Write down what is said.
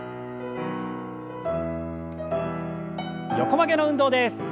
横曲げの運動です。